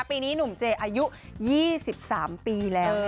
ปีนี้หนุ่มเจอายุ๒๓ปีแล้ว